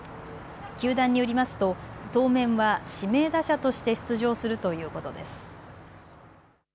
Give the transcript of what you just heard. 球団によりますと当面は指名打者として出場するということです。